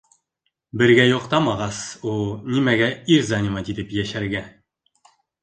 Бергә йоҡтамағас, у нимәгә ир занимать итеп йәшәргә?!